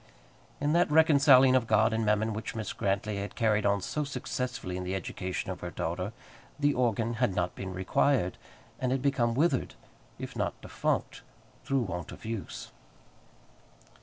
In that reconciling of God and Mammon which Mrs. Grantly had carried on so successfully in the education of her daughter, the organ had not been required, and had become withered, if not defunct, through want of use.